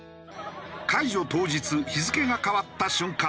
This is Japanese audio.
解除当日日付が変わった瞬間